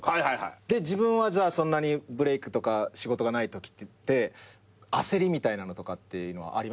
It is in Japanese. で自分はじゃあそんなにブレイクとか仕事がないときって焦りみたいなのとかっていうのはありました？